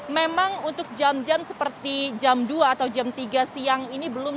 memang untuk jam jam seperti jam dua atau jam tiga siang ini belum